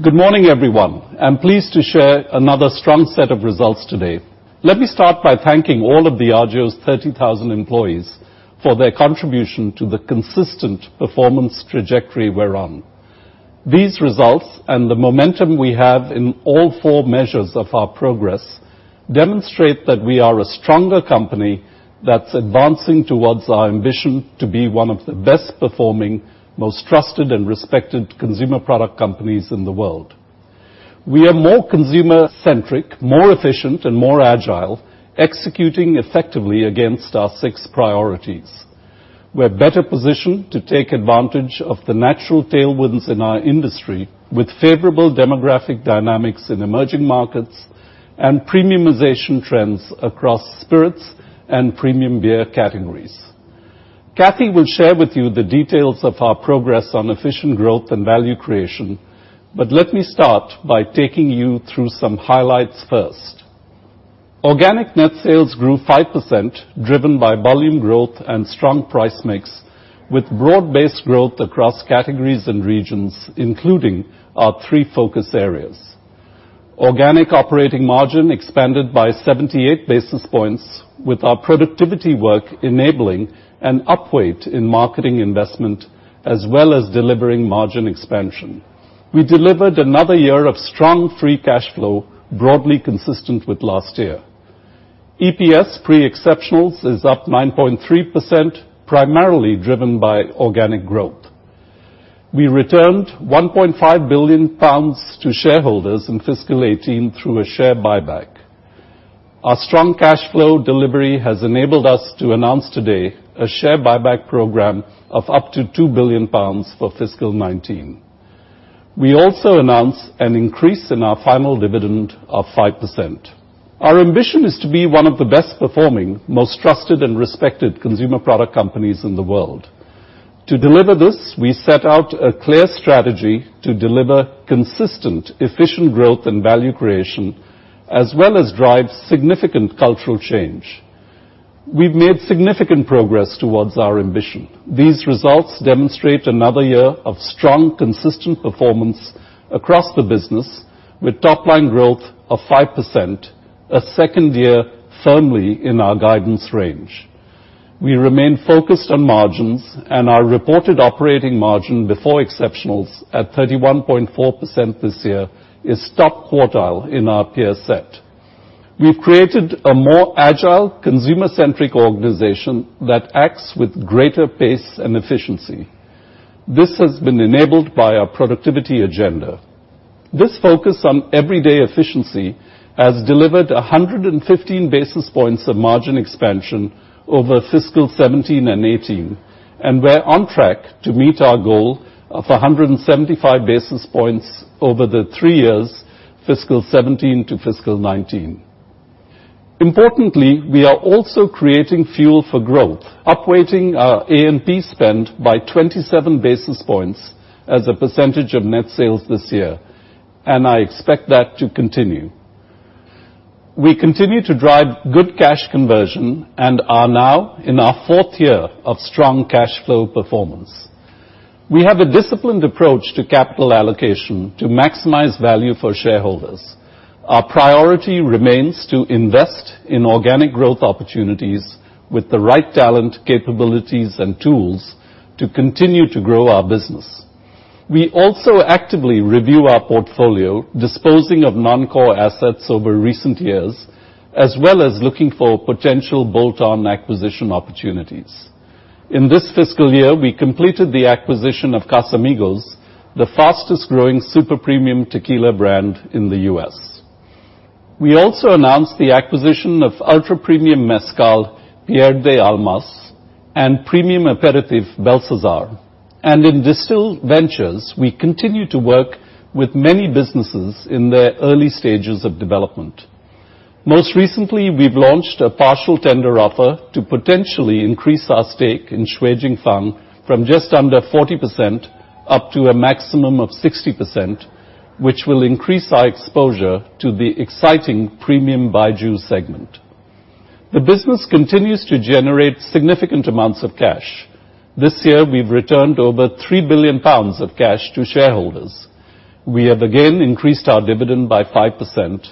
Good morning, everyone. I'm pleased to share another strong set of results today. Let me start by thanking all of Diageo's 30,000 employees for their contribution to the consistent performance trajectory we're on. These results, and the momentum we have in all four measures of our progress, demonstrate that we are a stronger company that's advancing towards our ambition to be one of the best performing, most trusted, and respected consumer product companies in the world. We are more consumer-centric, more efficient, and more agile, executing effectively against our six priorities. We're better positioned to take advantage of the natural tailwinds in our industry with favorable demographic dynamics in emerging markets and premiumization trends across spirits and premium beer categories. Kathy will share with you the details of our progress on efficient growth and value creation, let me start by taking you through some highlights first. Organic net sales grew 5%, driven by volume growth and strong price mix, with broad-based growth across categories and regions, including our three focus areas. Organic operating margin expanded by 78 basis points, with our productivity work enabling an upweight in marketing investment as well as delivering margin expansion. We delivered another year of strong free cash flow, broadly consistent with last year. EPS pre-exceptionals is up 9.3%, primarily driven by organic growth. We returned 1.5 billion pounds to shareholders in FY 2018 through a share buyback. Our strong cash flow delivery has enabled us to announce today a share buyback program of up to 2 billion pounds for FY 2019. We also announced an increase in our final dividend of 5%. Our ambition is to be one of the best performing, most trusted, and respected consumer product companies in the world. To deliver this, we set out a clear strategy to deliver consistent efficient growth and value creation as well as drive significant cultural change. We've made significant progress towards our ambition. These results demonstrate another year of strong, consistent performance across the business, with top-line growth of 5%, a second year firmly in our guidance range. We remain focused on margins, our reported operating margin before exceptionals at 31.4% this year is top quartile in our peer set. We've created a more agile, consumer-centric organization that acts with greater pace and efficiency. This has been enabled by our productivity agenda. This focus on everyday efficiency has delivered 115 basis points of margin expansion over FY 2017 and 2018, we're on track to meet our goal of 175 basis points over the three years FY 2017 to FY 2019. Importantly, we are also creating fuel for growth, upweighting our A&P spend by 27 basis points as a percentage of net sales this year, I expect that to continue. We continue to drive good cash conversion and are now in our fourth year of strong cash flow performance. We have a disciplined approach to capital allocation to maximize value for shareholders. Our priority remains to invest in organic growth opportunities with the right talent, capabilities, and tools to continue to grow our business. We also actively review our portfolio, disposing of non-core assets over recent years, as well as looking for potential bolt-on acquisition opportunities. In this fiscal year, we completed the acquisition of Casamigos, the fastest-growing super premium tequila brand in the U.S. We also announced the acquisition of ultra premium mezcal, Pierde Almas, and premium aperitif, Belsazar. In Distill Ventures, we continue to work with many businesses in their early stages of development. Most recently, we've launched a partial tender offer to potentially increase our stake in Shui Jing Fang from just under 40% up to a maximum of 60%, which will increase our exposure to the exciting premium Baijiu segment. The business continues to generate significant amounts of cash. This year, we've returned over 3 billion pounds of cash to shareholders. We have again increased our dividend by 5%,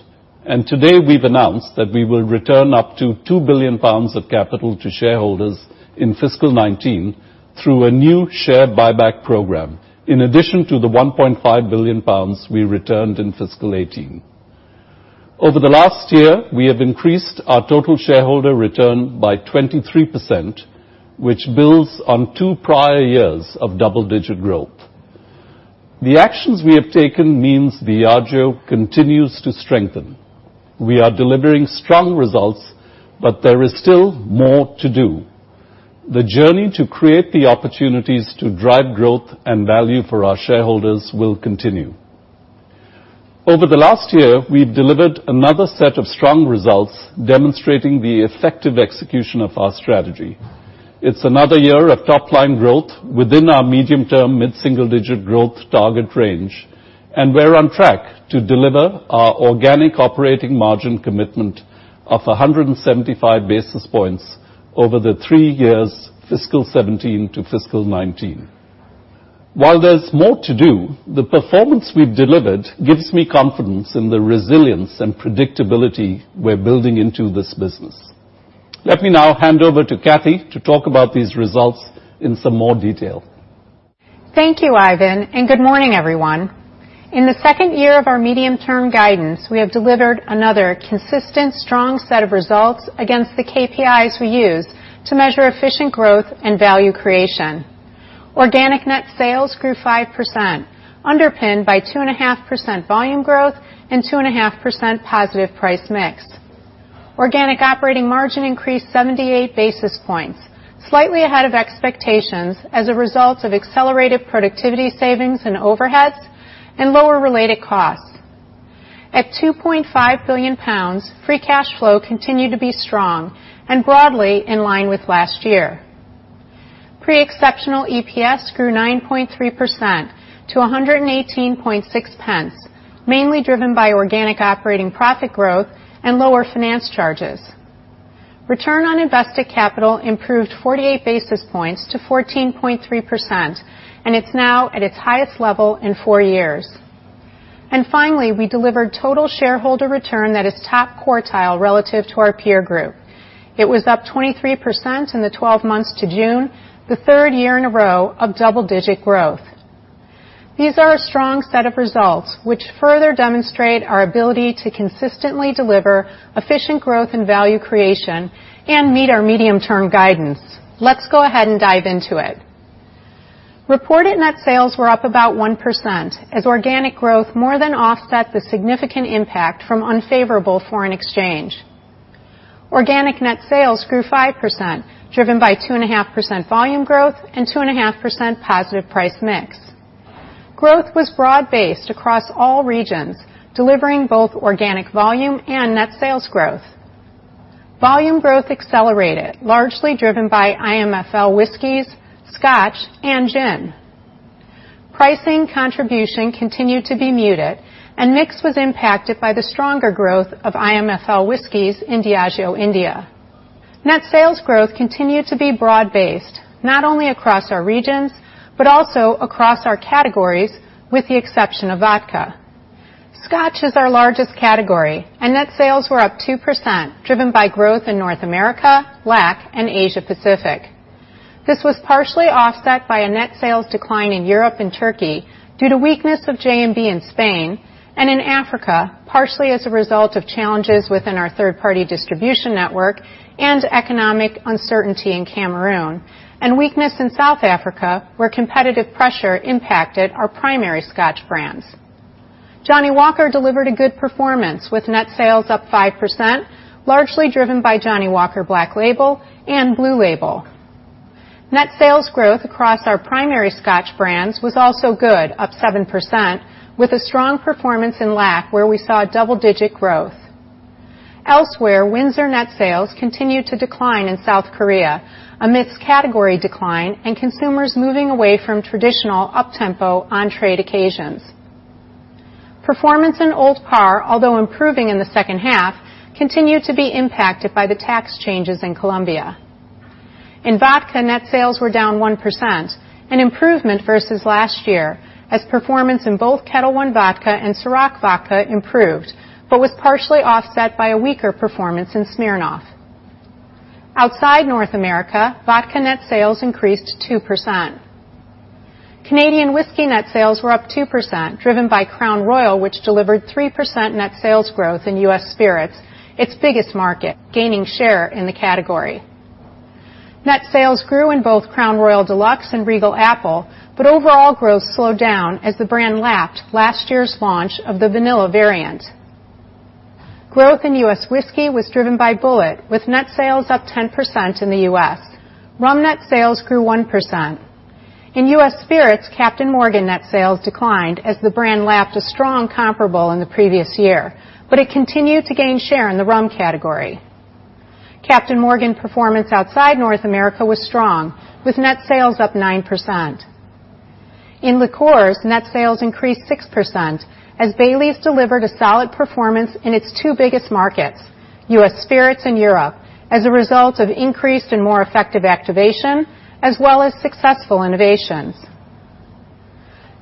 and today we've announced that we will return up to 2 billion pounds of capital to shareholders in fiscal 2019 through a new share buyback program, in addition to the 1.5 billion pounds we returned in fiscal 2018. Over the last year, we have increased our total shareholder return by 23%, which builds on two prior years of double-digit growth. The actions we have taken means Diageo continues to strengthen. We are delivering strong results, but there is still more to do. The journey to create the opportunities to drive growth and value for our shareholders will continue. Over the last year, we've delivered another set of strong results demonstrating the effective execution of our strategy. It's another year of top-line growth within our medium-term mid-single-digit growth target range, and we're on track to deliver our organic operating margin commitment of 175 basis points over the three years fiscal 2017 to fiscal 2019. While there's more to do, the performance we've delivered gives me confidence in the resilience and predictability we're building into this business. Let me now hand over to Kathy to talk about these results in some more detail. Thank you, Ivan, and good morning, everyone. In the second year of our medium-term guidance, we have delivered another consistent, strong set of results against the KPIs we use to measure efficient growth and value creation. Organic net sales grew 5%, underpinned by 2.5% volume growth and 2.5% positive price mix. Organic operating margin increased 78 basis points, slightly ahead of expectations as a result of accelerated productivity savings and overheads, and lower related costs. At 2.5 billion pounds, free cash flow continued to be strong and broadly in line with last year. Pre-exceptional EPS grew 9.3% to 1.186, mainly driven by organic operating profit growth and lower finance charges. Return on invested capital improved 48 basis points to 14.3%, and it's now at its highest level in four years. And finally, we delivered total shareholder return that is top quartile relative to our peer group. It was up 23% in the 12 months to June, the third year in a row of double-digit growth. These are a strong set of results which further demonstrate our ability to consistently deliver efficient growth and value creation and meet our medium-term guidance. Let's go ahead and dive into it. Reported net sales were up about 1% as organic growth more than offset the significant impact from unfavorable foreign exchange. Organic net sales grew 5%, driven by 2.5% volume growth and 2.5% positive price mix. Growth was broad-based across all regions, delivering both organic volume and net sales growth. Volume growth accelerated, largely driven by IMFL whiskeys, Scotch, and gin. Pricing contribution continued to be muted, and mix was impacted by the stronger growth of IMFL whiskeys in Diageo India. Net sales growth continued to be broad-based, not only across our regions, but also across our categories, with the exception of vodka. Scotch is our largest category, and net sales were up 2%, driven by growth in North America, LAC, and Asia Pacific. This was partially offset by a net sales decline in Europe and Turkey due to weakness of J&B in Spain and in Africa, partially as a result of challenges within our third-party distribution network and economic uncertainty in Cameroon, and weakness in South Africa, where competitive pressure impacted our primary Scotch brands. Johnnie Walker delivered a good performance, with net sales up 5%, largely driven by Johnnie Walker Black Label and Blue Label. Net sales growth across our primary Scotch brands was also good, up 7%, with a strong performance in LAC, where we saw double-digit growth. Elsewhere, Windsor net sales continued to decline in South Korea amidst category decline and consumers moving away from traditional up-tempo on-trade occasions. Performance in Old Parr, although improving in the second half, continued to be impacted by the tax changes in Colombia. In vodka, net sales were down 1%, an improvement versus last year, as performance in both Ketel One Vodka and Cîroc Vodka improved, but was partially offset by a weaker performance in Smirnoff. Outside North America, vodka net sales increased 2%. Canadian whisky net sales were up 2%, driven by Crown Royal, which delivered 3% net sales growth in US Spirits, its biggest market, gaining share in the category. Net sales grew in both Crown Royal Deluxe and Regal Apple, but overall growth slowed down as the brand lapped last year's launch of the Vanilla variant. Growth in U.S. whisky was driven by Bulleit, with net sales up 10% in the U.S. Rum net sales grew 1%. In US Spirits, Captain Morgan net sales declined as the brand lapped a strong comparable in the previous year, but it continued to gain share in the rum category. Captain Morgan performance outside North America was strong, with net sales up 9%. In liqueurs, net sales increased 6% as Baileys delivered a solid performance in its two biggest markets, US Spirits and Europe, as a result of increased and more effective activation, as well as successful innovations.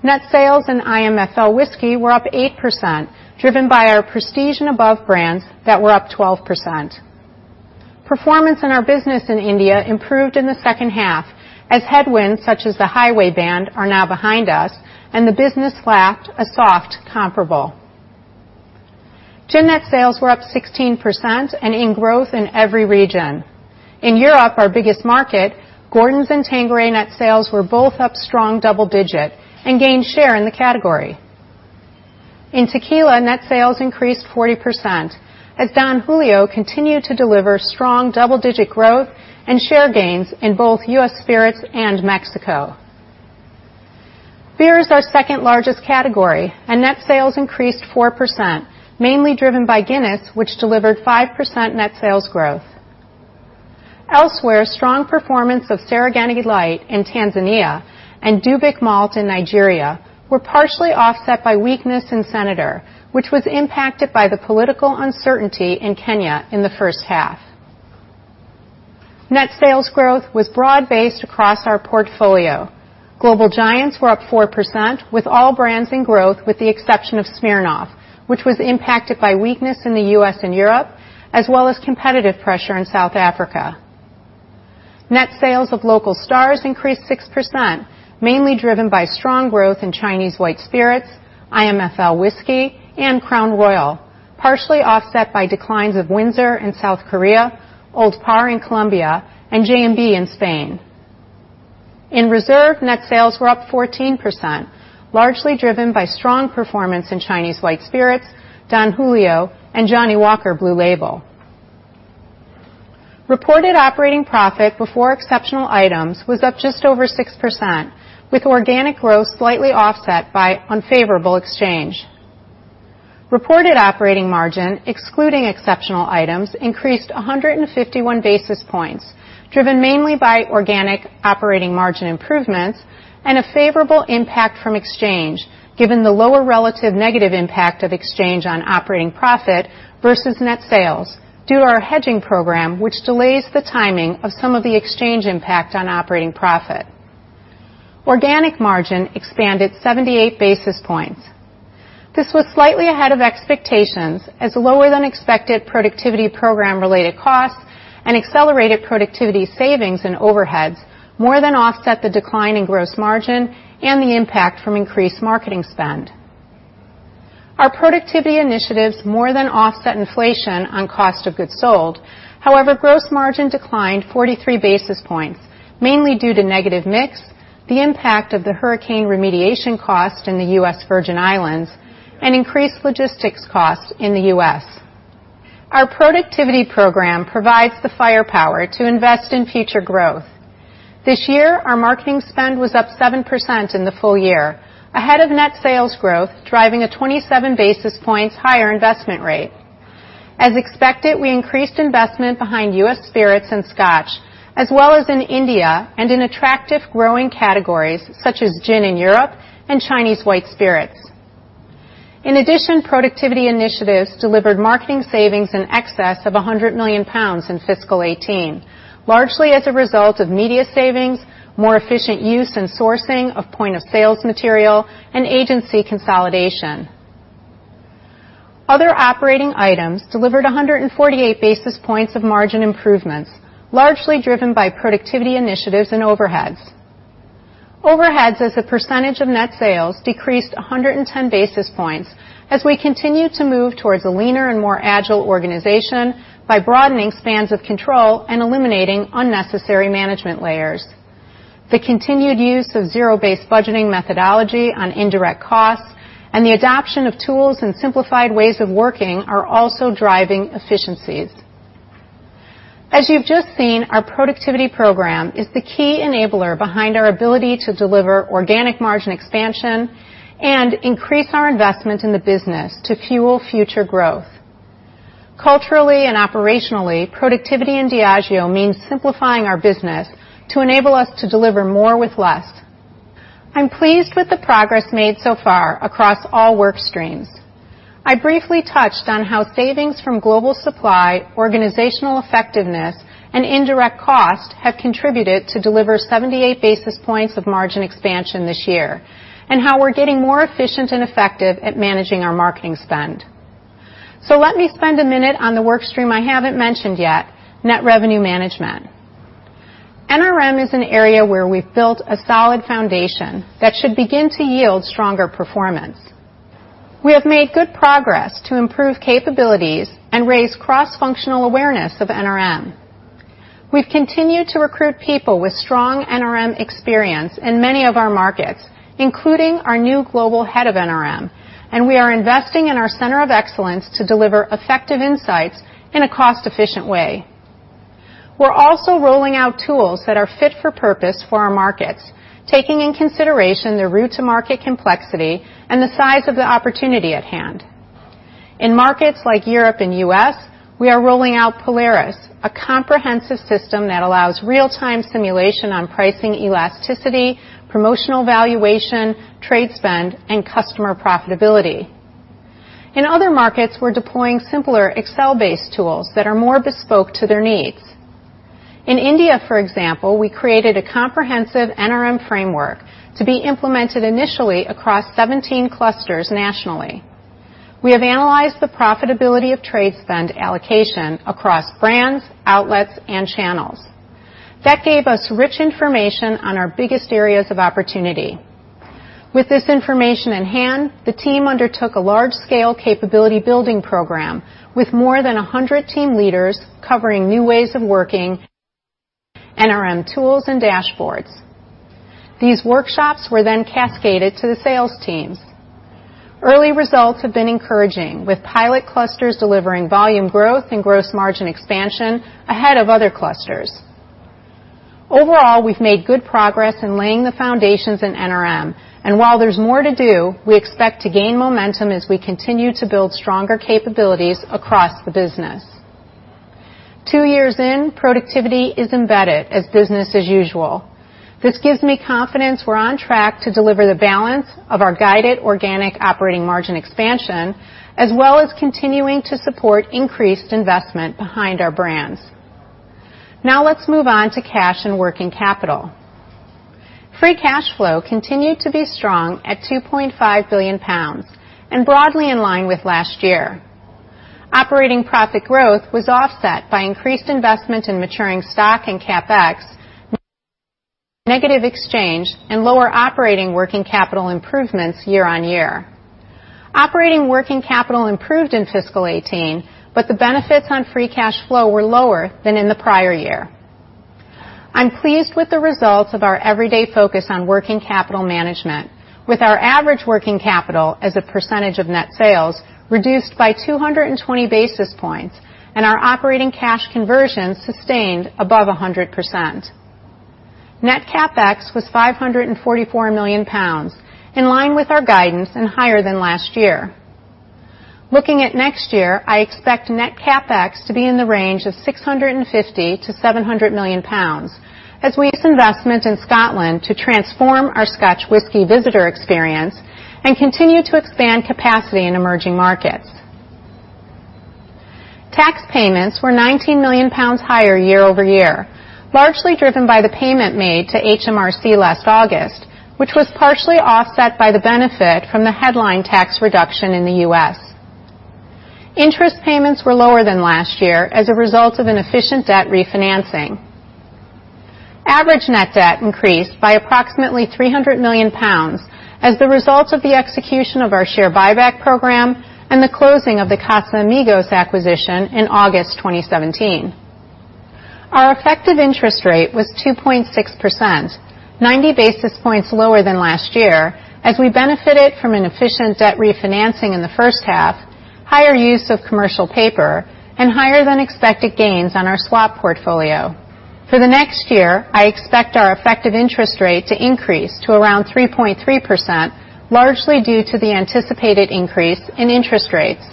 Net sales in IMFL whisky were up 8%, driven by our prestige and above brands that were up 12%. Performance in our business in India improved in the second half as headwinds such as the highway ban are now behind us and the business lapped a soft comparable. Gin net sales were up 16% and in growth in every region. In Europe, our biggest market, Gordon's and Tanqueray net sales were both up strong double-digit and gained share in the category. In tequila, net sales increased 40% as Don Julio continued to deliver strong double-digit growth and share gains in both US Spirits and Mexico. Beer is our second-largest category, and net sales increased 4%, mainly driven by Guinness, which delivered 5% net sales growth. Elsewhere, strong performance of Serengeti Lite in Tanzania and Dubic Malt in Nigeria were partially offset by weakness in Senator, which was impacted by the political uncertainty in Kenya in the first half. Net sales growth was broad-based across our portfolio. Global giants were up 4%, with all brands in growth, with the exception of Smirnoff, which was impacted by weakness in the U.S. and Europe, as well as competitive pressure in South Africa. Net sales of local stars increased 6%, mainly driven by strong growth in Chinese white spirits, IMFL whisky, and Crown Royal, partially offset by declines of Windsor in South Korea, Old Parr in Colombia, and J&B in Spain. In Reserve, net sales were up 14%, largely driven by strong performance in Chinese white spirits, Don Julio, and Johnnie Walker Blue Label. Reported operating profit before exceptional items was up just over 6%, with organic growth slightly offset by unfavorable exchange. Reported operating margin, excluding exceptional items, increased 151 basis points, driven mainly by organic operating margin improvements and a favorable impact from exchange, given the lower relative negative impact of exchange on operating profit versus net sales due to our hedging program, which delays the timing of some of the exchange impact on operating profit. Organic margin expanded 78 basis points. This was slightly ahead of expectations as lower-than-expected productivity program-related costs and accelerated productivity savings and overheads more than offset the decline in gross margin and the impact from increased marketing spend. Our productivity initiatives more than offset inflation on cost of goods sold. However, gross margin declined 43 basis points, mainly due to negative mix, the impact of the hurricane remediation cost in the U.S. Virgin Islands, and increased logistics costs in the U.S. Our productivity program provides the firepower to invest in future growth. This year, our marketing spend was up 7% in the full year, ahead of net sales growth, driving a 27 basis points higher investment rate. As expected, we increased investment behind U.S. Spirits and Scotch, as well as in India and in attractive growing categories such as gin in Europe and Chinese white spirits. In addition, productivity initiatives delivered marketing savings in excess of 100 million pounds in fiscal 2018, largely as a result of media savings, more efficient use and sourcing of point-of-sales material, and agency consolidation. Other operating items delivered 148 basis points of margin improvements, largely driven by productivity initiatives and overheads. Overheads as a percentage of net sales decreased 110 basis points as we continue to move towards a leaner and more agile organization by broadening spans of control and eliminating unnecessary management layers. The continued use of zero-based budgeting methodology on indirect costs and the adoption of tools and simplified ways of working are also driving efficiencies. As you've just seen, our productivity program is the key enabler behind our ability to deliver organic margin expansion and increase our investment in the business to fuel future growth. Culturally and operationally, productivity in Diageo means simplifying our business to enable us to deliver more with less. I'm pleased with the progress made so far across all work streams. I briefly touched on how savings from global supply, organizational effectiveness, and indirect cost have contributed to deliver 78 basis points of margin expansion this year, and how we're getting more efficient and effective at managing our marketing spend. Let me spend a minute on the work stream I haven't mentioned yet, Net Revenue Management. NRM is an area where we've built a solid foundation that should begin to yield stronger performance. We have made good progress to improve capabilities and raise cross-functional awareness of NRM. We've continued to recruit people with strong NRM experience in many of our markets, including our new global head of NRM, and we are investing in our center of excellence to deliver effective insights in a cost-efficient way. We're also rolling out tools that are fit for purpose for our markets, taking in consideration the route to market complexity and the size of the opportunity at hand. In markets like Europe and U.S., we are rolling out Polaris, a comprehensive system that allows real-time simulation on pricing elasticity, promotional valuation, trade spend, and customer profitability. In other markets, we're deploying simpler Excel-based tools that are more bespoke to their needs. In India, for example, we created a comprehensive NRM framework to be implemented initially across 17 clusters nationally. We have analyzed the profitability of trade spend allocation across brands, outlets, and channels. That gave us rich information on our biggest areas of opportunity. With this information in hand, the team undertook a large-scale capability building program with more than 100 team leaders covering new ways of working, NRM tools, and dashboards. These workshops were cascaded to the sales teams. Early results have been encouraging, with pilot clusters delivering volume growth and gross margin expansion ahead of other clusters. Overall, we've made good progress in laying the foundations in NRM, and while there's more to do, we expect to gain momentum as we continue to build stronger capabilities across the business. Two years in, productivity is embedded as business as usual. This gives me confidence we're on track to deliver the balance of our guided organic operating margin expansion, as well as continuing to support increased investment behind our brands. Let's move on to cash and working capital. Free cash flow continued to be strong at 2.5 billion pounds, and broadly in line with last year. Operating profit growth was offset by increased investment in maturing stock and CapEx, negative exchange, and lower operating working capital improvements year-on-year. Operating working capital improved in fiscal 2018, the benefits on free cash flow were lower than in the prior year. I'm pleased with the results of our everyday focus on working capital management with our average working capital as a percentage of net sales reduced by 220 basis points and our operating cash conversion sustained above 100%. Net CapEx was 544 million pounds, in line with our guidance and higher than last year. Looking at next year, I expect net CapEx to be in the range of 650 million-700 million pounds as we invest in Scotland to transform our Scotch whisky visitor experience and continue to expand capacity in emerging markets. Tax payments were 19 million pounds higher year-over-year, largely driven by the payment made to HMRC last August, which was partially offset by the benefit from the headline tax reduction in the U.S. Interest payments were lower than last year as a result of an efficient debt refinancing. Average net debt increased by approximately 300 million pounds as the result of the execution of our share buyback program and the closing of the Casamigos acquisition in August 2017. Our effective interest rate was 2.6%, 90 basis points lower than last year as we benefited from an efficient debt refinancing in the first half, higher use of commercial paper, and higher than expected gains on our swap portfolio. For the next year, I expect our effective interest rate to increase to around 3.3%, largely due to the anticipated increase in interest rates.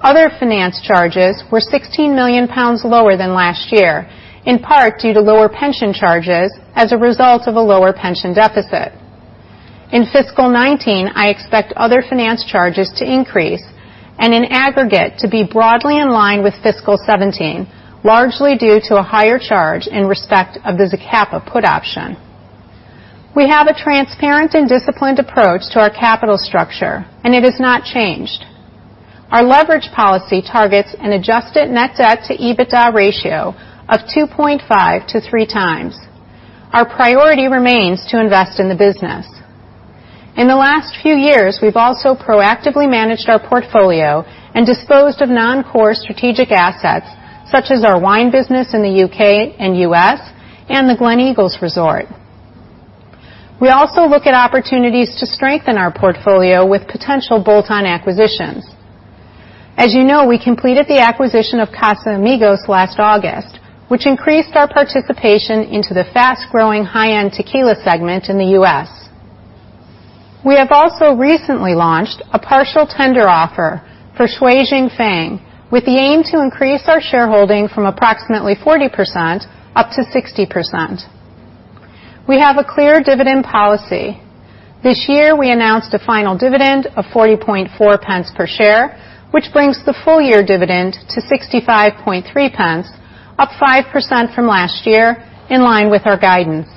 Other finance charges were 16 million pounds lower than last year, in part due to lower pension charges as a result of a lower pension deficit. In fiscal 2019, I expect other finance charges to increase and in aggregate, to be broadly in line with fiscal 2017, largely due to a higher charge in respect of the Zacapa put option. It has not changed. Our leverage policy targets an adjusted net debt to EBITDA ratio of 2.5-3 times. Our priority remains to invest in the business. In the last few years, we've also proactively managed our portfolio and disposed of non-core strategic assets such as our wine business in the U.K. and U.S., and the Gleneagles Hotel. We also look at opportunities to strengthen our portfolio with potential bolt-on acquisitions. As you know, we completed the acquisition of Casamigos last August, which increased our participation into the fast-growing high-end tequila segment in the U.S. We have also recently launched a partial tender offer for Shui Jing Fang, with the aim to increase our shareholding from approximately 40% up to 60%. We have a clear dividend policy. This year, we announced a final dividend of 0.404 per share, which brings the full-year dividend to 0.653, up 5% from last year, in line with our guidance.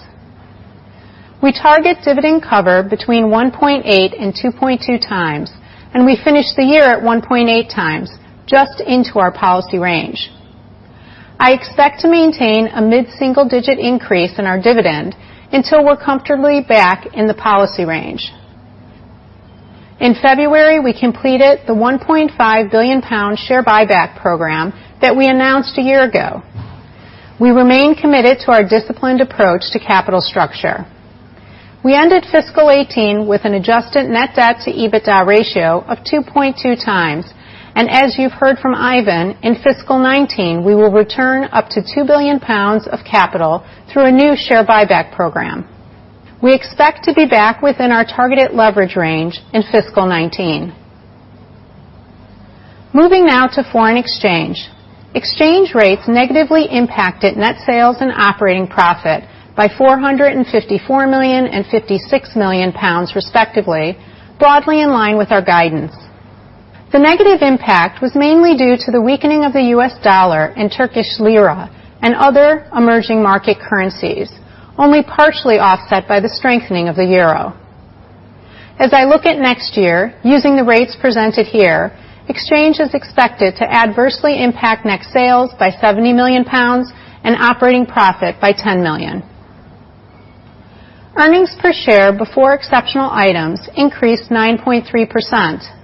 We target dividend cover between 1.8 and 2.2 times, and we finish the year at 1.8 times, just into our policy range. I expect to maintain a mid-single-digit increase in our dividend until we're comfortably back in the policy range. In February, we completed the 1.5 billion pound share buyback program that we announced a year ago. We remain committed to our disciplined approach to capital structure. We ended fiscal 2018 with an adjusted net debt to EBITDA ratio of 2.2 times, and as you've heard from Ivan, in fiscal 2019, we will return up to 2 billion pounds of capital through a new share buyback program. We expect to be back within our targeted leverage range in fiscal 2019. Moving now to foreign exchange. Exchange rates negatively impacted net sales and operating profit by 454 million and 56 million pounds respectively, broadly in line with our guidance. The negative impact was mainly due to the weakening of the U.S. dollar and Turkish lira, and other emerging market currencies, only partially offset by the strengthening of the euro. As I look at next year, using the rates presented here, exchange is expected to adversely impact net sales by 70 million pounds and operating profit by 10 million. Earnings per share before exceptional items increased 9.3%.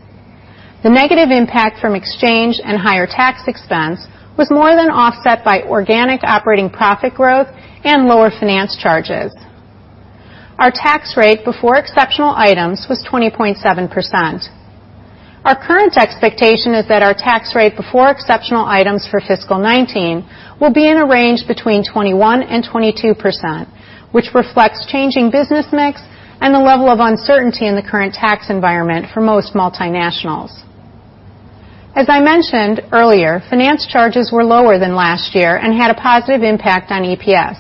The negative impact from exchange and higher tax expense was more than offset by organic operating profit growth and lower finance charges. Our tax rate before exceptional items was 20.7%. Our current expectation is that our tax rate before exceptional items for fiscal 2019 will be in a range between 21% and 22%, which reflects changing business mix and the level of uncertainty in the current tax environment for most multinationals. As I mentioned earlier, finance charges were lower than last year and had a positive impact on EPS.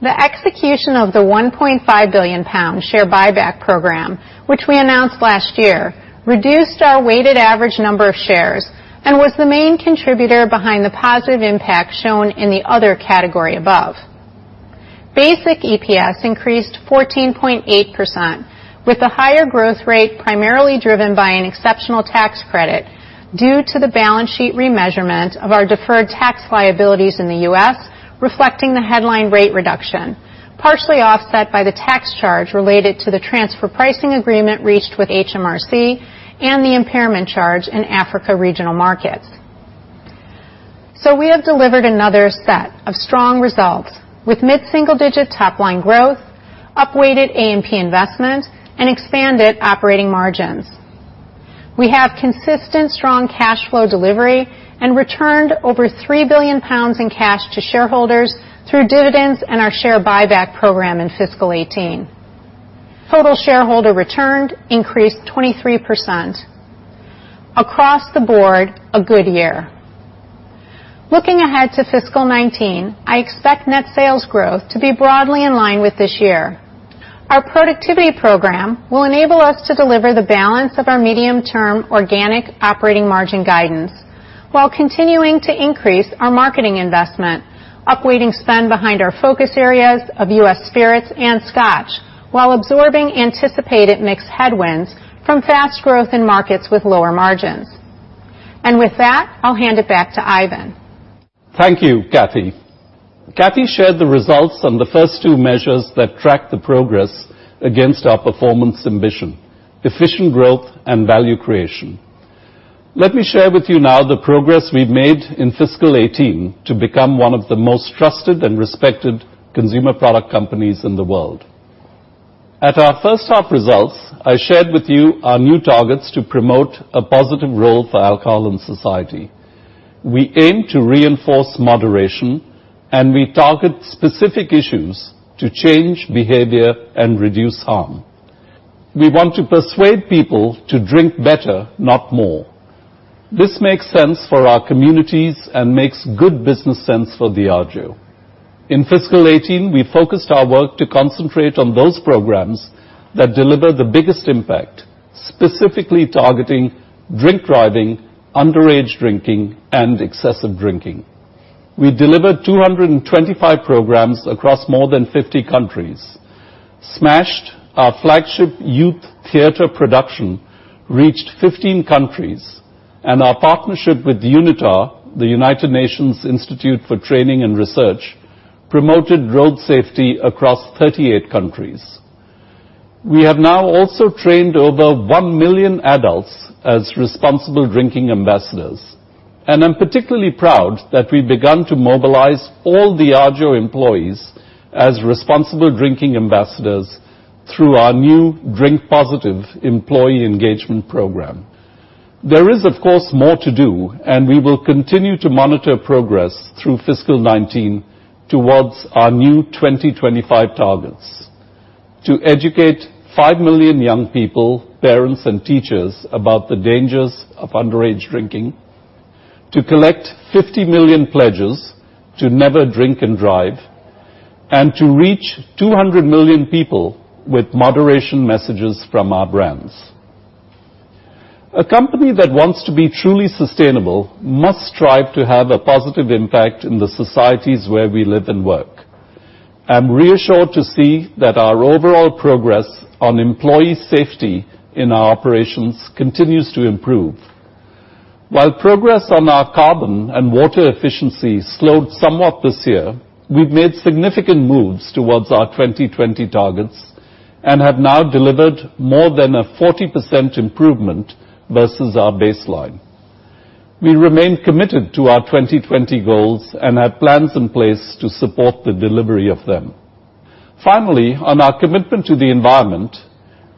The execution of the 1.5 billion pound share buyback program, which we announced last year, reduced our weighted average number of shares and was the main contributor behind the positive impact shown in the other category above. Basic EPS increased 14.8% with the higher growth rate primarily driven by an exceptional tax credit due to the balance sheet remeasurement of our deferred tax liabilities in the U.S. reflecting the headline rate reduction, partially offset by the tax charge related to the transfer pricing agreement reached with HMRC and the impairment charge in Africa regional markets. We have delivered another set of strong results with mid-single digit top-line growth, up-weighted A&P investment, and expanded operating margins. We have consistent strong cash flow delivery and returned over 3 billion pounds in cash to shareholders through dividends and our share buyback program in fiscal 2018. Total shareholder return increased 23%. Across the board, a good year. Looking ahead to fiscal 2019, I expect net sales growth to be broadly in line with this year. Our productivity program will enable us to deliver the balance of our medium-term organic operating margin guidance while continuing to increase our marketing investment, upweighting spend behind our focus areas of US Spirits and Scotch, while absorbing anticipated mixed headwinds from fast growth in markets with lower margins. With that, I'll hand it back to Ivan. Thank you, Kathy. Kathy shared the results on the first two measures that track the progress against our performance ambition, efficient growth, and value creation. Let me share with you now the progress we've made in fiscal 2018 to become one of the most trusted and respected consumer product companies in the world. At our first half results, I shared with you our new targets to promote a positive role for alcohol in society. We aim to reinforce moderation, and we target specific issues to change behavior and reduce harm. We want to persuade people to drink better, not more. This makes sense for our communities and makes good business sense for Diageo. In fiscal 2018, we focused our work to concentrate on those programs that deliver the biggest impact, specifically targeting drink driving, underage drinking, and excessive drinking. We delivered 225 programs across more than 50 countries. Smashed, our flagship youth theater production, reached 15 countries. Our partnership with UNITAR, the United Nations Institute for Training and Research, promoted road safety across 38 countries. We have now also trained over one million adults as responsible drinking ambassadors. I'm particularly proud that we've begun to mobilize all Diageo employees as responsible drinking ambassadors through our new Drink Positive employee engagement program. There is, of course, more to do. We will continue to monitor progress through fiscal 2019 towards our new 2025 targets to educate five million young people, parents, and teachers about the dangers of underage drinking, to collect 50 million pledges to never drink and drive, and to reach 200 million people with moderation messages from our brands. A company that wants to be truly sustainable must strive to have a positive impact in the societies where we live and work. I'm reassured to see that our overall progress on employee safety in our operations continues to improve. While progress on our carbon and water efficiency slowed somewhat this year, we've made significant moves towards our 2020 targets and have now delivered more than a 40% improvement versus our baseline. We remain committed to our 2020 goals and have plans in place to support the delivery of them. Finally, on our commitment to the environment,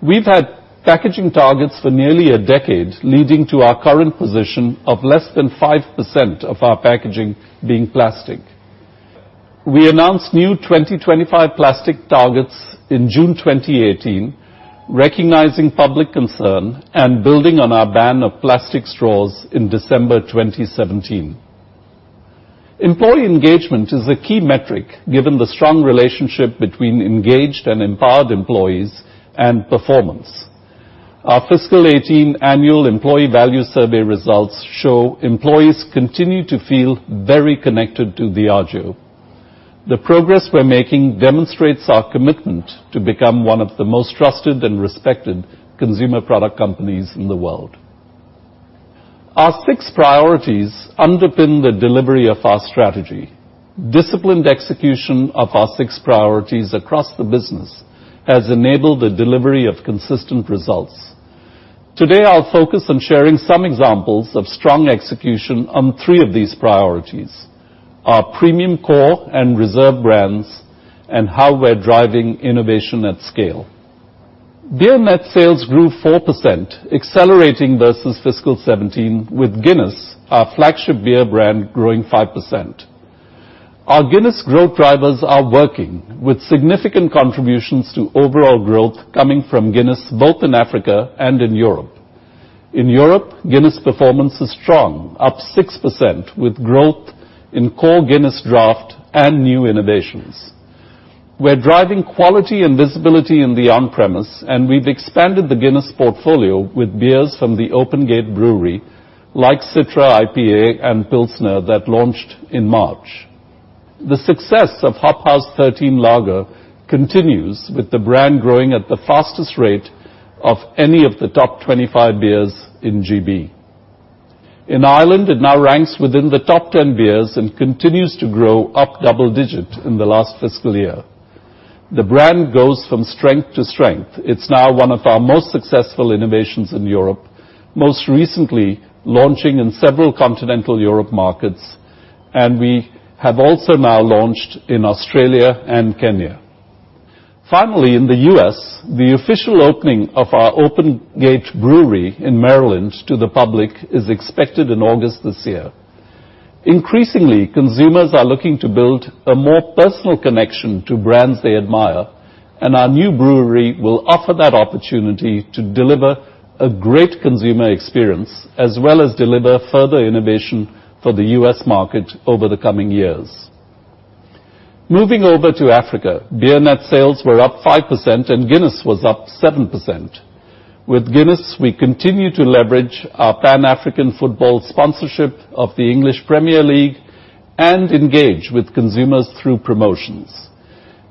we've had packaging targets for nearly a decade, leading to our current position of less than 5% of our packaging being plastic. We announced new 2025 plastic targets in June 2018, recognizing public concern and building on our ban of plastic straws in December 2017. Employee engagement is a key metric given the strong relationship between engaged and empowered employees and performance. Our fiscal 2018 annual employee value survey results show employees continue to feel very connected to Diageo. The progress we're making demonstrates our commitment to become one of the most trusted and respected consumer product companies in the world. Our six priorities underpin the delivery of our strategy. Disciplined execution of our six priorities across the business has enabled the delivery of consistent results. Today, I'll focus on sharing some examples of strong execution on three of these priorities, our premium core and reserve brands, and how we're driving innovation at scale. Beer net sales grew 4%, accelerating versus fiscal 2017, with Guinness, our flagship beer brand, growing 5%. Our Guinness growth drivers are working with significant contributions to overall growth coming from Guinness, both in Africa and in Europe. In Europe, Guinness performance is strong, up 6% with growth in core Guinness Draught and new innovations. We're driving quality and visibility in the on-premise. We've expanded the Guinness portfolio with beers from the Open Gate Brewery like Citra IPA and Pilsner that launched in March. The success of Hop House 13 Lager continues with the brand growing at the fastest rate of any of the top 25 beers in GB. In Ireland, it now ranks within the top 10 beers and continues to grow up double digit in the last fiscal year. The brand goes from strength to strength. It's now one of our most successful innovations in Europe, most recently launching in several continental Europe markets. We have also now launched in Australia and Kenya. Finally, in the U.S., the official opening of our Open Gate Brewery in Maryland to the public is expected in August this year. Increasingly, consumers are looking to build a more personal connection to brands they admire, and our new brewery will offer that opportunity to deliver a great consumer experience as well as deliver further innovation for the U.S. market over the coming years. Moving over to Africa, beer net sales were up 5% and Guinness was up 7%. With Guinness, we continue to leverage our Pan-African football sponsorship of the Premier League and engage with consumers through promotions.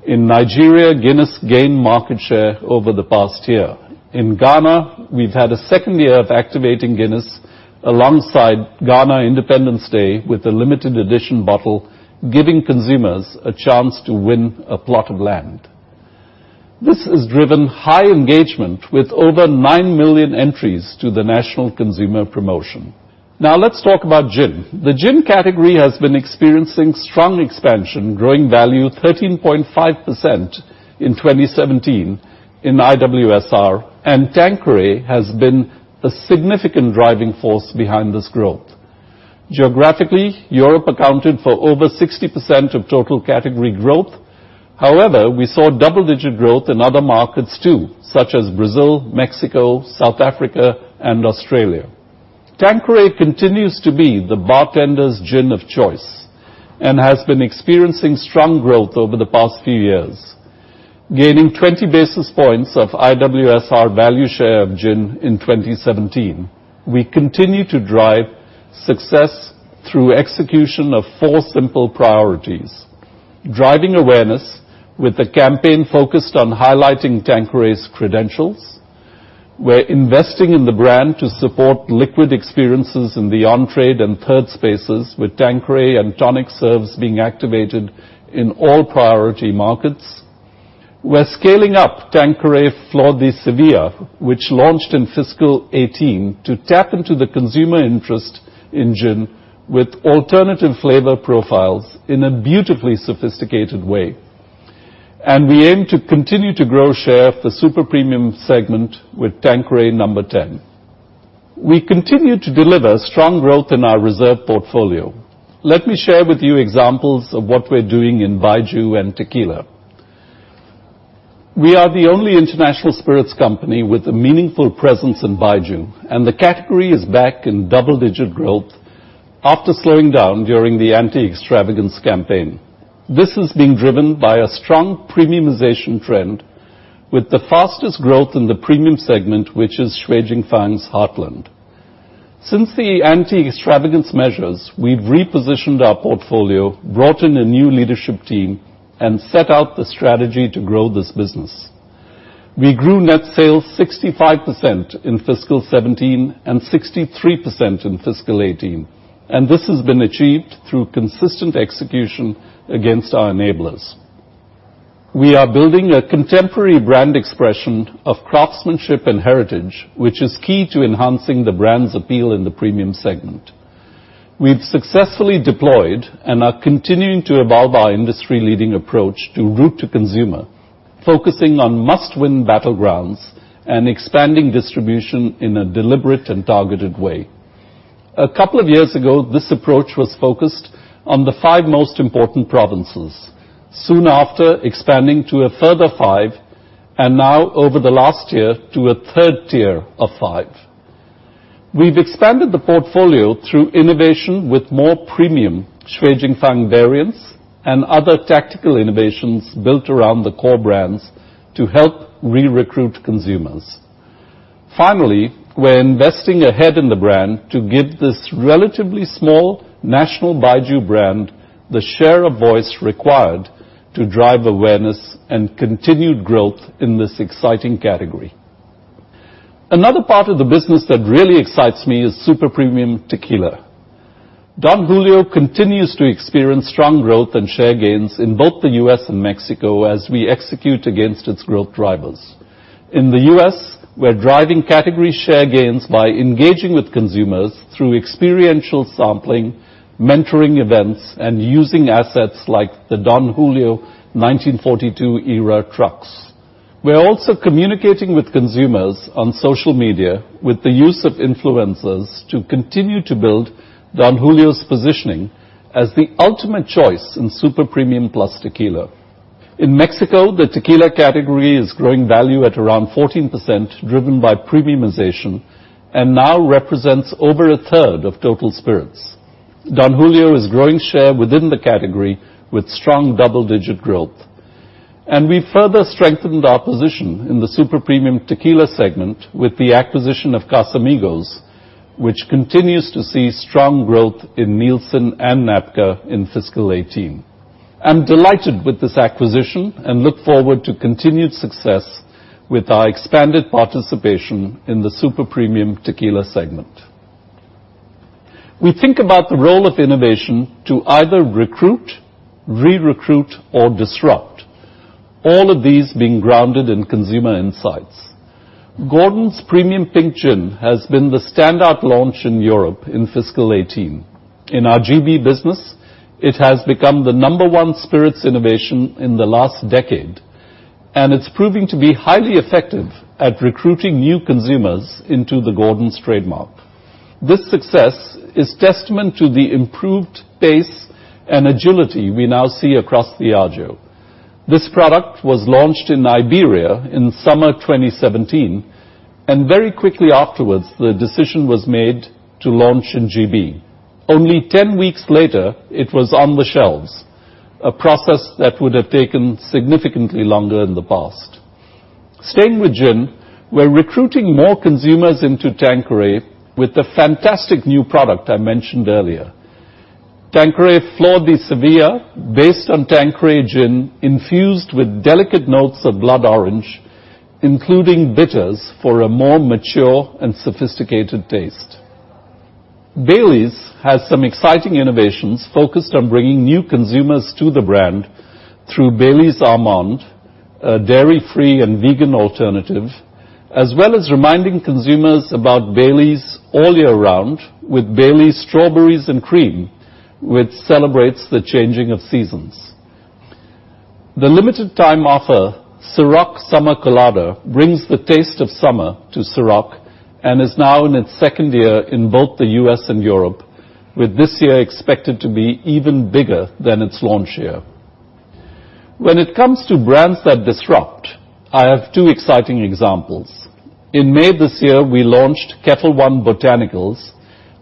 In Nigeria, Guinness gained market share over the past year. In Ghana, we've had a second year of activating Guinness alongside Ghana Independence Day with a limited edition bottle, giving consumers a chance to win a plot of land. This has driven high engagement with over 9 million entries to the national consumer promotion. Now let's talk about gin. The gin category has been experiencing strong expansion, growing value 13.5% in 2017 in IWSR, and Tanqueray has been a significant driving force behind this growth. Geographically, Europe accounted for over 60% of total category growth. However, we saw double-digit growth in other markets too, such as Brazil, Mexico, South Africa, and Australia. Tanqueray continues to be the bartender's gin of choice and has been experiencing strong growth over the past few years, gaining 20 basis points of IWSR value share of gin in 2017. We continue to drive success through execution of four simple priorities, driving awareness with the campaign focused on highlighting Tanqueray's credentials. We're investing in the brand to support liquid experiences in the on-trade and third spaces with Tanqueray and tonic serves being activated in all priority markets. We're scaling up Tanqueray Flor de Sevilla, which launched in fiscal 2018 to tap into the consumer interest in gin with alternative flavor profiles in a beautifully sophisticated way. We aim to continue to grow share of the super premium segment with Tanqueray No. Ten. We continue to deliver strong growth in our reserve portfolio. Let me share with you examples of what we're doing in baijiu and tequila. We are the only international spirits company with a meaningful presence in baijiu, and the category is back in double-digit growth after slowing down during the anti-extravagance campaign. This is being driven by a strong premiumization trend with the fastest growth in the premium segment, which is Shui Jing Fang's heartland. Since the anti-extravagance measures, we've repositioned our portfolio, brought in a new leadership team, and set out the strategy to grow this business. We grew net sales 65% in fiscal 2017 and 63% in fiscal 2018, and this has been achieved through consistent execution against our enablers. We are building a contemporary brand expression of craftsmanship and heritage, which is key to enhancing the brand's appeal in the premium segment. We've successfully deployed and are continuing to evolve our industry-leading approach to route to consumer, focusing on must-win battlegrounds and expanding distribution in a deliberate and targeted way. A couple of years ago, this approach was focused on the five most important provinces, soon after expanding to a further five, and now over the last year to a third tier of 5. We've expanded the portfolio through innovation with more premium Shui Jing Fang variants and other tactical innovations built around the core brands to help re-recruit consumers. Finally, we're investing ahead in the brand to give this relatively small national baijiu brand the share of voice required to drive awareness and continued growth in this exciting category. Another part of the business that really excites me is super premium tequila. Don Julio continues to experience strong growth and share gains in both the U.S. and Mexico as we execute against its growth drivers. In the U.S., we're driving category share gains by engaging with consumers through experiential sampling, mentoring events, and using assets like the Don Julio 1942 era trucks. We're also communicating with consumers on social media with the use of influencers to continue to build Don Julio's positioning as the ultimate choice in super premium plus tequila. In Mexico, the tequila category is growing value at around 14%, driven by premiumization, and now represents over a third of total spirits. Don Julio is growing share within the category with strong double-digit growth. We further strengthened our position in the super premium tequila segment with the acquisition of Casamigos, which continues to see strong growth in Nielsen and NABCA in fiscal 2018. I'm delighted with this acquisition and look forward to continued success with our expanded participation in the super premium tequila segment. We think about the role of innovation to either recruit, re-recruit, or disrupt, all of these being grounded in consumer insights. Gordon's Premium Pink Gin has been the standout launch in Europe in fiscal 2018. In our GB business, it has become the number 1 spirits innovation in the last decade, and it's proving to be highly effective at recruiting new consumers into the Gordon's trademark. This success is testament to the improved pace and agility we now see across Diageo. This product was launched in Iberia in summer 2017, and very quickly afterwards, the decision was made to launch in GB. Only 10 weeks later, it was on the shelves, a process that would have taken significantly longer in the past. Staying with gin, we're recruiting more consumers into Tanqueray with the fantastic new product I mentioned earlier. Tanqueray Flor de Sevilla, based on Tanqueray gin infused with delicate notes of blood orange, including bitters for a more mature and sophisticated taste. Baileys has some exciting innovations focused on bringing new consumers to the brand through Baileys Almande, a dairy-free and vegan alternative, as well as reminding consumers about Baileys all year round with Baileys Strawberries & Cream, which celebrates the changing of seasons. The limited time offer, Cîroc Summer Colada, brings the taste of summer to Cîroc and is now in its second year in both the U.S. and Europe, with this year expected to be even bigger than its launch year. When it comes to brands that disrupt, I have two exciting examples. In May this year, we launched Ketel One Botanical,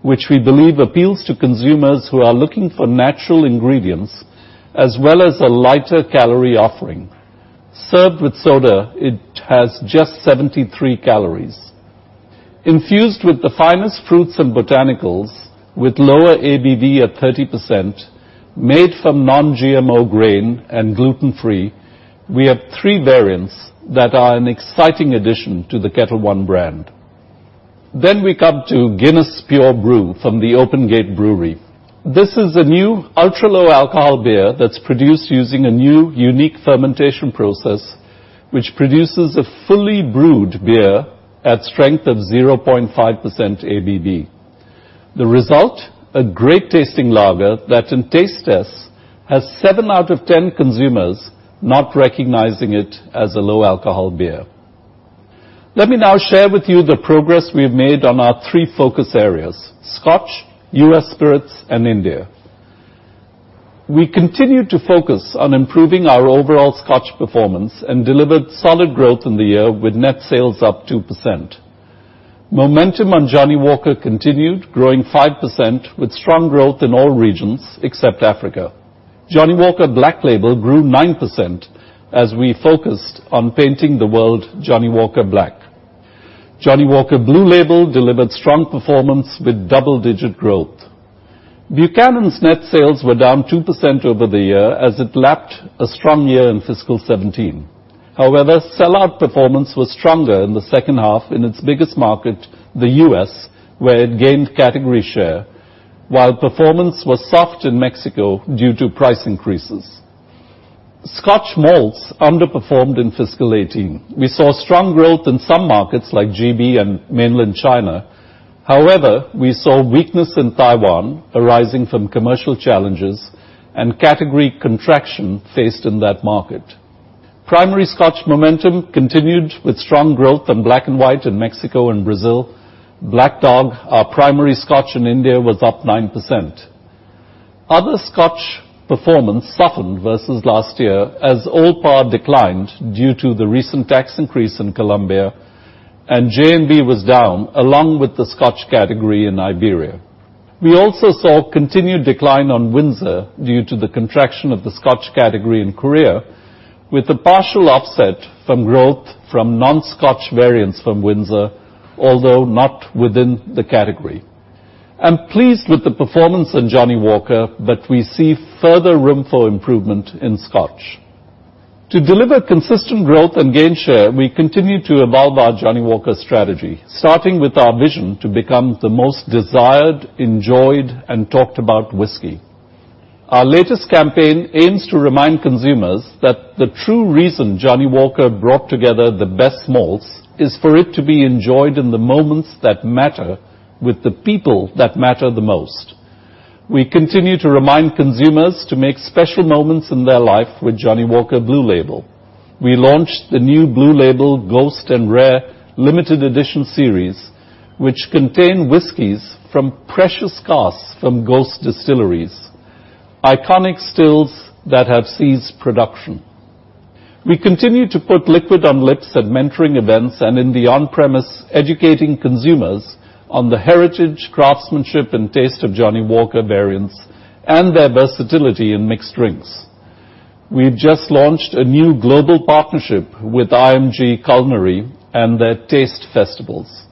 which we believe appeals to consumers who are looking for natural ingredients as well as a lighter calorie offering. Served with soda, it has just 73 calories. Infused with the finest fruits and botanicals with lower ABV at 30%, made from non-GMO grain and gluten-free, we have three variants that are an exciting addition to the Ketel One brand. We come to Guinness Pure Brew from the Open Gate Brewery. This is a new ultra-low alcohol beer that's produced using a new unique fermentation process, which produces a fully brewed beer at strength of 0.5% ABV. The result, a great tasting lager that in taste tests has seven out of 10 consumers not recognizing it as a low alcohol beer. Let me now share with you the progress we've made on our three focus areas, Scotch, US Spirits, and India. We continued to focus on improving our overall Scotch performance and delivered solid growth in the year with net sales up 2%. Momentum on Johnnie Walker continued, growing 5% with strong growth in all regions except Africa. Johnnie Walker Black Label grew 9% as we focused on painting the world Johnnie Walker black. Johnnie Walker Blue Label delivered strong performance with double-digit growth. Buchanan's net sales were down 2% over the year as it lapped a strong year in fiscal 2017. However, sell-out performance was stronger in the second half in its biggest market, the U.S., where it gained category share, while performance was soft in Mexico due to price increases. Scotch malts underperformed in fiscal 2018. We saw strong growth in some markets like GB and Mainland China. However, we saw weakness in Taiwan arising from commercial challenges and category contraction faced in that market. Primary Scotch momentum continued with strong growth on Black & White in Mexico and Brazil. Black Dog, our Primary Scotch in India, was up 9%. Other Scotch performance softened versus last year as Old Parr declined due to the recent tax increase in Colombia, and J&B was down along with the Scotch category in Iberia. We also saw continued decline on Windsor due to the contraction of the Scotch category in Korea, with a partial offset from growth from non-Scotch variants from Windsor, although not within the category. I'm pleased with the performance in Johnnie Walker, but we see further room for improvement in Scotch. To deliver consistent growth and gain share, we continue to evolve our Johnnie Walker strategy, starting with our vision to become the most desired, enjoyed, and talked about whisky. Our latest campaign aims to remind consumers that the true reason Johnnie Walker brought together the best malts is for it to be enjoyed in the moments that matter with the people that matter the most. We continue to remind consumers to make special moments in their life with Johnnie Walker Blue Label. We launched the new Blue Label Ghost and Rare limited edition series, which contain whiskies from precious casks from ghost distilleries, iconic stills that have ceased production. We continue to put liquid on lips at mentoring events and in the on-premise, educating consumers on the heritage, craftsmanship, and taste of Johnnie Walker variants and their versatility in mixed drinks. We've just launched a new global partnership with IMG Culinary and their Taste Festivals.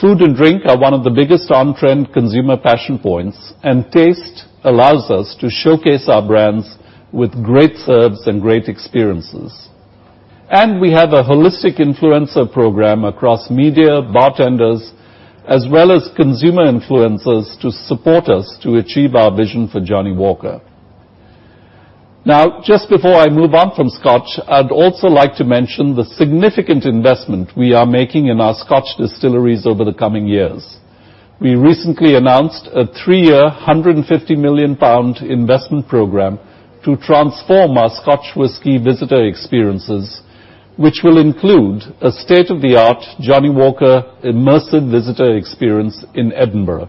Food and drink are one of the biggest on-trend consumer passion points, and Taste allows us to showcase our brands with great serves and great experiences. We have a holistic influencer program across media, bartenders, as well as consumer influencers to support us to achieve our vision for Johnnie Walker. Just before I move on from Scotch, I'd also like to mention the significant investment we are making in our Scotch distilleries over the coming years. We recently announced a 3-year, 150 million pound investment program to transform our Scotch whisky visitor experiences, which will include a state-of-the-art Johnnie Walker immersive visitor experience in Edinburgh.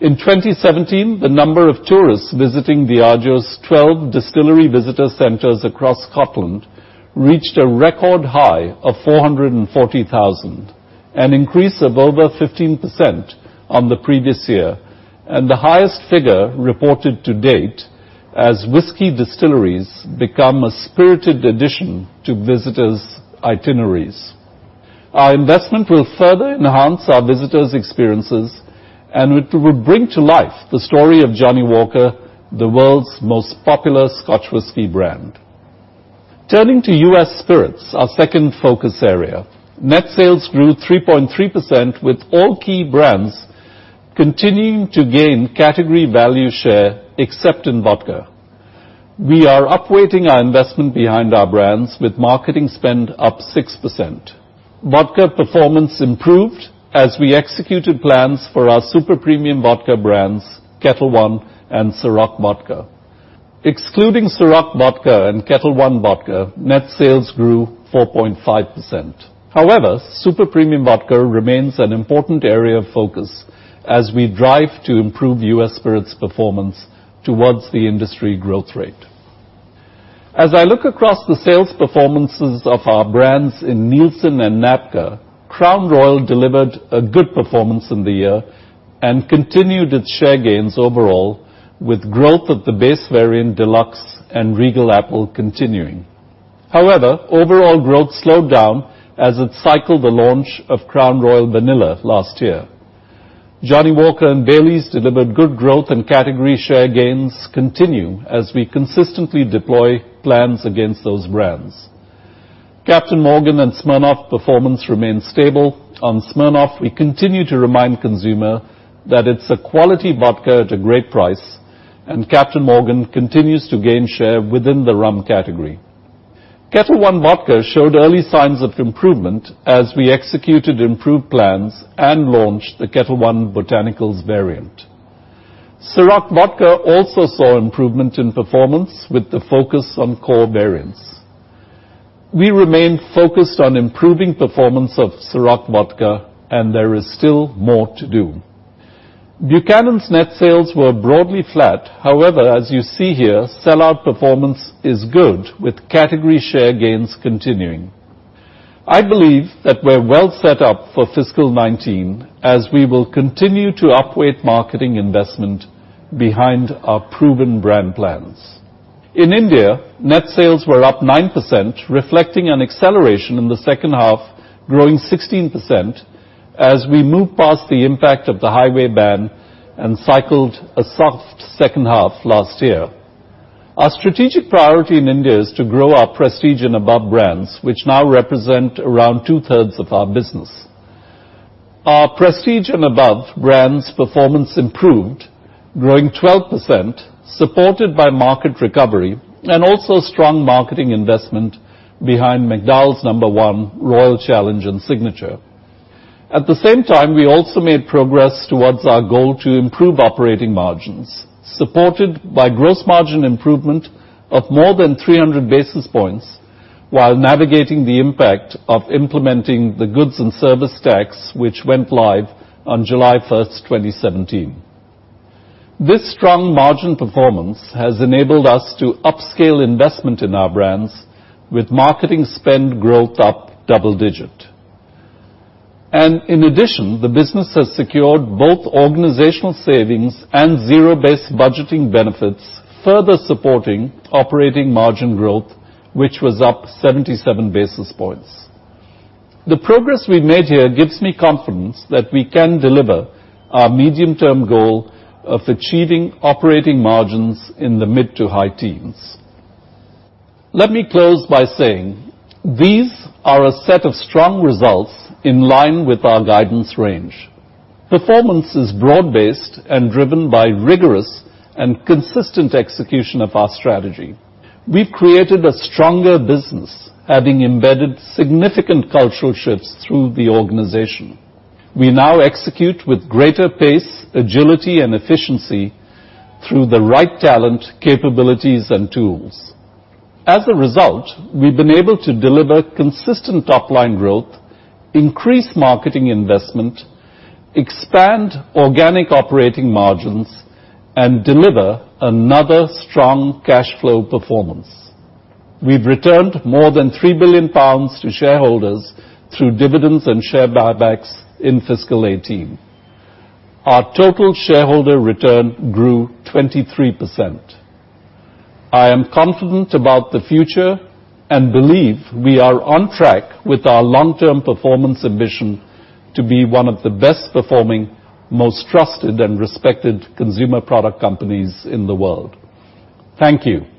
In 2017, the number of tourists visiting Diageo's 12 distillery visitor centers across Scotland reached a record high of 440,000, an increase of over 15% on the previous year, and the highest figure reported to date as whisky distilleries become a spirited addition to visitors' itineraries. Our investment will further enhance our visitors' experiences, it will bring to life the story of Johnnie Walker, the world's most popular Scotch whisky brand. Turning to US Spirits, our second focus area, net sales grew 3.3% with all key brands continuing to gain category value share except in vodka. We are upweighting our investment behind our brands with marketing spend up 6%. Vodka performance improved as we executed plans for our super premium vodka brands, Ketel One and Cîroc Vodka. Excluding Cîroc Vodka and Ketel One Vodka, net sales grew 4.5%. Super premium vodka remains an important area of focus as we drive to improve US Spirits performance towards the industry growth rate. As I look across the sales performances of our brands in Nielsen and NABCA, Crown Royal delivered a good performance in the year and continued its share gains overall with growth of the base variant Deluxe and Regal Apple continuing. Overall growth slowed down as it cycled the launch of Crown Royal Vanilla last year. Johnnie Walker and Baileys delivered good growth, category share gains continue as we consistently deploy plans against those brands. Captain Morgan and Smirnoff performance remained stable. On Smirnoff, we continue to remind consumer that it's a quality vodka at a great price, Captain Morgan continues to gain share within the rum category. Ketel One Vodka showed early signs of improvement as we executed improved plans and launched the Ketel One Botanical variant. Cîroc Vodka also saw improvement in performance with the focus on core variants. We remain focused on improving performance of Cîroc Vodka, there is still more to do. Buchanan's net sales were broadly flat. As you see here, sell-out performance is good with category share gains continuing. I believe that we're well set up for fiscal 2019 as we will continue to upweight marketing investment behind our proven brand plans. In India, net sales were up 9%, reflecting an acceleration in the second half, growing 16% as we moved past the impact of the highway ban and cycled a soft second half last year. Our strategic priority in India is to grow our prestige and above brands, which now represent around two-thirds of our business. Our prestige and above brands' performance improved, growing 12%, supported by market recovery and also strong marketing investment behind McDowell's No.1, Royal Challenge, and Signature. At the same time, we also made progress towards our goal to improve operating margins, supported by gross margin improvement of more than 300 basis points while navigating the impact of implementing the Goods and Services Tax, which went live on July 1st, 2017. This strong margin performance has enabled us to upscale investment in our brands with marketing spend growth up double digit. In addition, the business has secured both organizational savings and zero-based budgeting benefits, further supporting operating margin growth, which was up 77 basis points. The progress we've made here gives me confidence that we can deliver our medium-term goal of achieving operating margins in the mid to high teens. Let me close by saying these are a set of strong results in line with our guidance range. Performance is broad-based and driven by rigorous and consistent execution of our strategy. We've created a stronger business, having embedded significant cultural shifts through the organization. We now execute with greater pace, agility, and efficiency through the right talent, capabilities, and tools. As a result, we've been able to deliver consistent top-line growth, increase marketing investment, expand organic operating margins, and deliver another strong cash flow performance. We've returned more than 3 billion pounds to shareholders through dividends and share buybacks in fiscal 2018. Our total shareholder return grew 23%. I am confident about the future and believe we are on track with our long-term performance ambition to be one of the best performing, most trusted and respected consumer product companies in the world. Thank you.